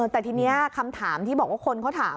แต่ทีนี้คำถามที่บอกว่าคนเขาถาม